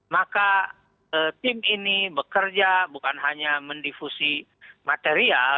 maka tim ini bekerja bukan hanya mendifusi material